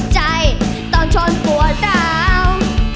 ใจต้องชนปวดหลาว